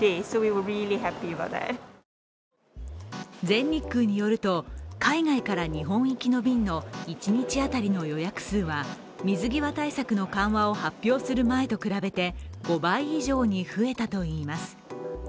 全日空によると、海外から日本行きの便の一日当たりの予約数は水際対策の緩和を発表する前と比べて５倍以上に増えたといいます。